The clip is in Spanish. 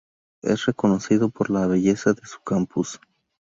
Es reconocido por la belleza de su campus.